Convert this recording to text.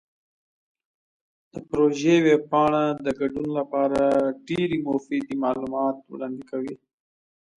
د پروژې ویب پاڼه د ګډون لپاره ډیرې مفیدې معلومات وړاندې کوي.